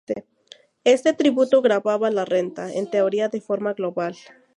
Este tributo gravaba la renta, en teoría, de forma global.